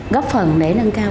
góp phần để nâng cao